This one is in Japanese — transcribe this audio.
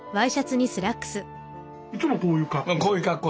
いつもこういう格好？